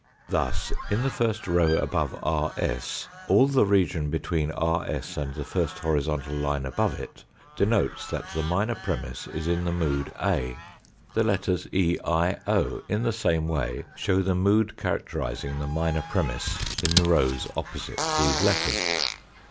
Thus, in the first row above RS all the region between RS and the first horizontal line above it denotes that the minor premiss is in the mood A. The 92 THE FOURTH DIMENSION M L.U.. i n letters E, i, o, in the Same way show the mood character ising the minor premiss in the rows opposite these letters.